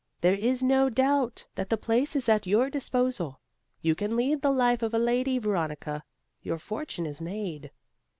There is no doubt that the place is at your disposal. You can lead the life of a lady, Veronica. Your fortune is made."